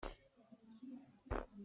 Kan pawhnak cu ni thum a si cang.